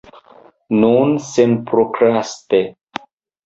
Nun, senprokraste.